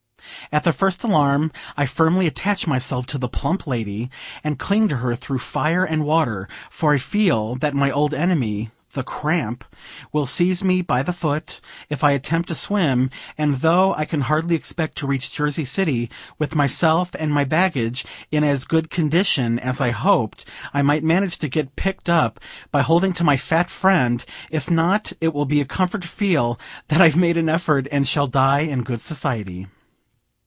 At the first alarm I firmly attach myself to the plump lady, and cling to her through fire and water; for I feel that my old enemy, the cramp, will seize me by the foot, if I attempt to swim; and, though I can hardly expect to reach Jersey City with myself and my baggage in as good condition as I hoped, I might manage to get picked up by holding to my fat friend; if not it will be a comfort to feel that I've made an effort and shall die in good society.